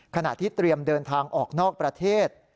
ขณะที่เตรียมเดินทางออกนอกประเทศ